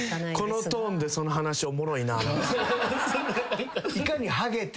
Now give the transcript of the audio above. このトーンでその話おもろいな。